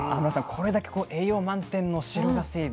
これだけ栄養満点の白ガスエビ。